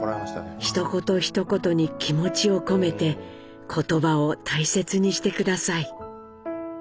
「一言一言に気持を込めて言葉を大切にして下さい」。